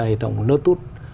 hệ thống lotus